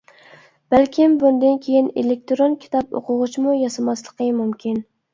بەلكىم بۇندىن كىيىن ئېلېكتىرون كىتاب ئوقۇغۇچمۇ ياسىماسلىقى مۇمكىن.